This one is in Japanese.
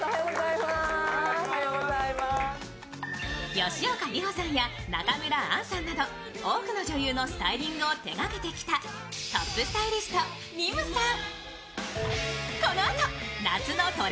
吉岡里帆さんや中村アンさんなど多くの女優のスタイリングを手がけてきたトップスタイリスト、ＮＩＭＵさん。